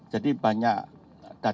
jadi banyak data data desain